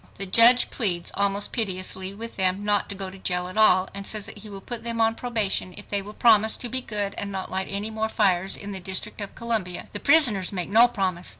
The judge pleads almost piteously with them not to go to jail at all, and says that he will put them on probation if they will promise to be good and not light any more fires in the District of Columbia. The prisoners make no promise.